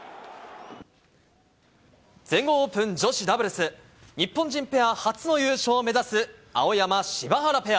全豪オープン女子ダブルス。日本人ペア初の優勝を目指す、青山・柴原ペア。